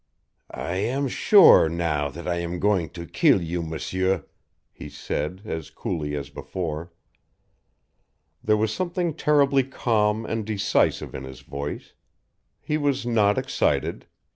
"I am sure now that I am going to kill you, M'seur," he said, as coolly as before. There was something terribly calm and decisive in his voice. He was not excited.